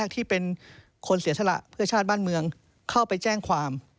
ที่เป็นคนเสียสละเพื่อชาติบ้านเมืองเข้าไปแจ้งความ